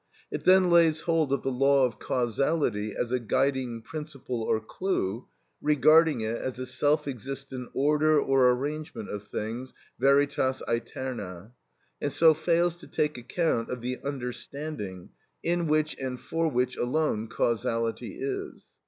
It then lays hold of the law of causality as a guiding principle or clue, regarding it as a self existent order (or arrangement) of things, veritas aeterna, and so fails to take account of the understanding, in which and for which alone causality is.